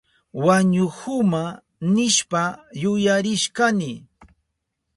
Wañuhuma nishpa yuyarishkani.